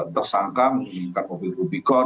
tersangka menginginkan mobil rubicon